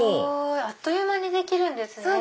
あっという間にできるんですね。